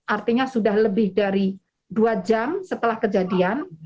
artinya sudah lebih dari dua jam setelah kejadian